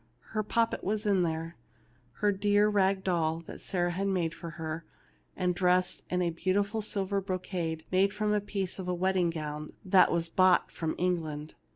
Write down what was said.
Her pop pet was in there, her dear rag doll that Sarah had made for her, and dressed in a beautiful silver brocade made from a piece of a wedding gown that was brought from England.